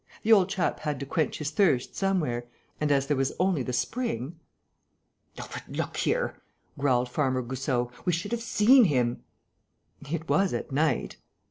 "The old chap had to quench his thirst somewhere; and, as there was only the spring...." "Oh, but look here," growled Farmer Goussot, "we should have seen him!" "It was at night."